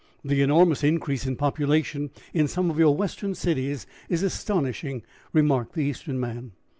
"The enormous increase in population in some of your Western cities is astonishing," remarked the Eastern man.